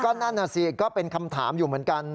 นั่นน่ะสิก็เป็นคำถามอยู่เหมือนกัน